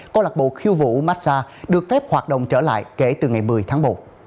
câu lạc bộ khiêu vũ massage được phép hoạt động trở lại kể từ ngày một mươi tháng một